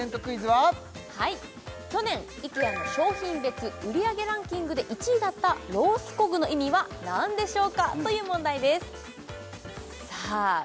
はい去年イケアの商品別売り上げランキングで１位だったロースコグの意味は何でしょうかという問題ですさあ